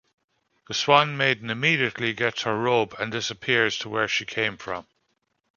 The swan maiden immediately gets her robe and disappears to where she came from.